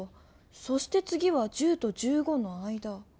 そしてつぎは１０と１５の間。